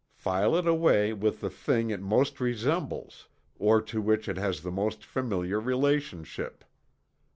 File it away with the thing it most resembles, or to which it has the most familiar relationship.